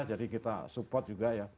jadi kita support juga ya